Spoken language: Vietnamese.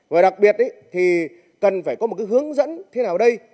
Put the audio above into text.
và đặc biệt thì cần phải có một hướng dẫn thế nào đây